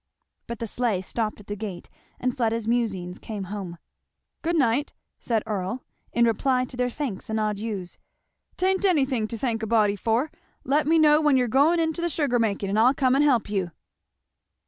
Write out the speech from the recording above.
But the sleigh stopped at the gate, and Fleda's musings came home. "Good night!" said Earl, in reply to their thanks and adieus; "'tain't anything to thank a body for let me know when you're a goin' into the sugar making and I'll come and help you."